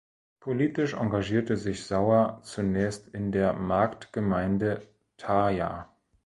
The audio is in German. Politisch engagierte sich Sauer zunächst in der Marktgemeinde Thaya.